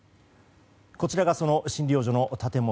こちらがその診療所の建物。